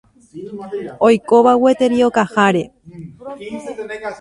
oikóva gueteri okaháre